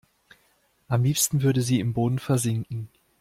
Am liebsten würde sie im Boden versinken.